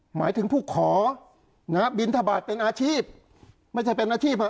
หมายถึงผู้ขอนะฮะบินทบาทเป็นอาชีพไม่ใช่เป็นอาชีพฮะ